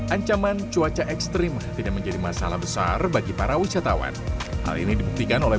ancaman cuaca ekstrim tidak menjadi masalah besar bagi para wisatawan hal ini dibuktikan oleh